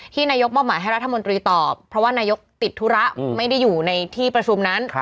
นายกมอบหมายให้รัฐมนตรีตอบเพราะว่านายกติดธุระไม่ได้อยู่ในที่ประชุมนั้น